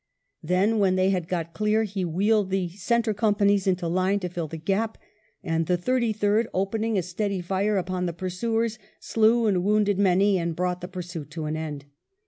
Then, when they had got clear, he wheeled the centre companies into line to fill the gap, and the Thirty third opening a steady fire upon the pursuers, slew and wounded many and brought the pursuit to an end.